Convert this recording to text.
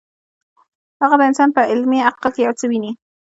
هغه د انسان په عملي عقل کې یو څه ویني.